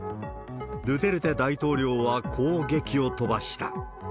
ドゥテルテ大統領はこうげきを飛ばした。